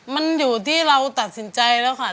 มันอยู่ที่เราตัดสินใจแล้วค่ะ